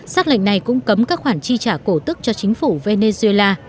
xác lệnh này cũng cấm các khoản chi trả cổ tức cho chính phủ venezuela